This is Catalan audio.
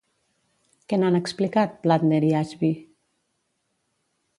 Què n'han explicat Platner i Ashby?